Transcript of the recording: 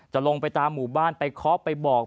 จะไปตามหมู่บ้านไปเคาะไปบอก